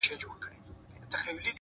شاعره خداى دي زما ملگرى كه-